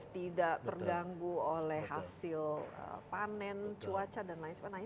tidak terganggu oleh hasil panen cuaca dan lain sebagainya